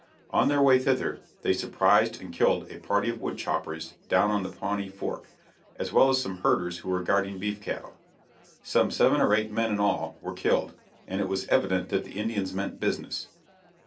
On their way thither, they surprised and killed a party of wood choppers down on the Pawnee Fork, as well as some herders who were guarding beef cattle; some seven or eight men in all, were killed, and it was evident that the Indians meant business.